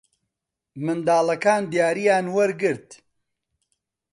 منداڵەکان دیارییان وەرگرت.